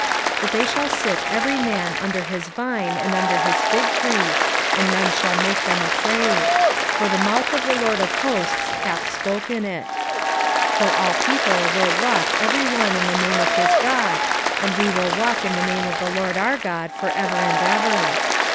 4:4 But they shall sit every man under his vine and under his fig tree; and none shall make them afraid: for the mouth of the LORD of hosts hath spoken it. 4:5 For all people will walk every one in the name of his god, and we will walk in the name of the LORD our God for ever and ever.